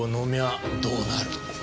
あどうなる？